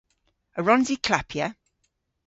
A wrons i klappya?